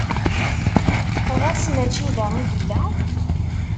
Ɣas mačči da i yella?